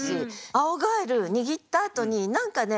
青蛙握ったあとに何かね